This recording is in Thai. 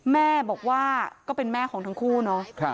แม่บอกว่าก็เป็นแม่ของทั้งคู่เนาะ